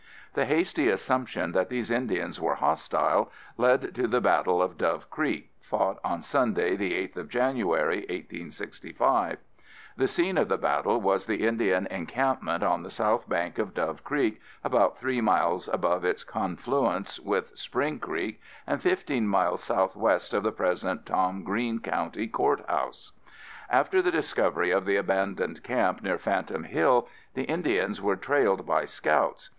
The hasty assumption that these Indians were hostile led to the Battle of Dove Creek fought on Sunday, the 8th of January, 1865. The scene of the battle was the Indian encampment on the south bank of Dove Creek about three miles above its confluence with Spring Creek, and fifteen miles southwest of the present Tom Green County court house. After the discovery of the abandoned camp near Phantom Hill, the Indians were trailed by scouts.